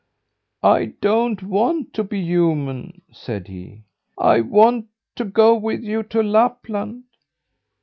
"I don't want to be human," said he. "I want to go with you to Lapland."